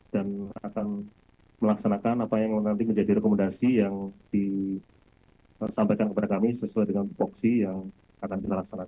akan melaksanakan apa yang nanti menjadi rekomendasi yang disampaikan kepada kami sesuai dengan tupoksi yang akan kita laksanakan